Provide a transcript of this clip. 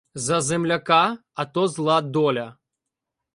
За земляка, а то зла доля